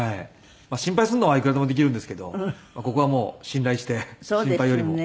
心配するのはいくらでもできるんですけどここはもう信頼して心配よりも。